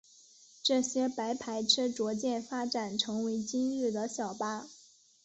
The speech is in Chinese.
这些白牌车逐渐发展成为今日的小巴。